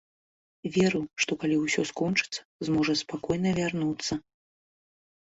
Верыў, што калі ўсё скончыцца, зможа спакойна вярнуцца.